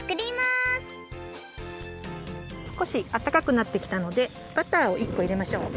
すこしあったかくなってきたのでバターを１こいれましょう。